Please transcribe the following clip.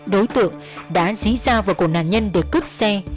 đối tượng đã dí ra vào cổ nạn nhân để cướp xe